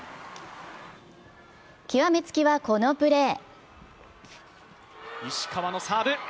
極め付きは、このプレー。